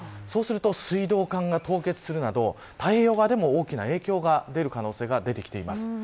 そうすると水道管が凍結するなど太平洋側でも大きな影響が出る可能性が出てきています。